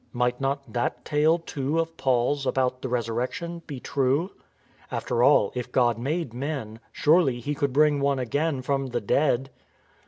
Might not that tale too of Paul's about the resurrection be true? After all, if God made men, surely He could bring one again from the dead.